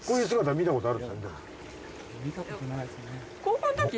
見たことないですね。